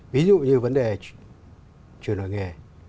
ví dụ như vấn đề chuyển đổi nghề